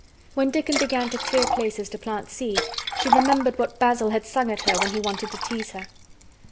When Dickon began to clear places to plant seeds, she remembered what Basil had sung at her when he wanted to tease her.